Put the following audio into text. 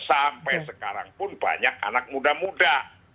sampai sekarang pun banyak anak muda muda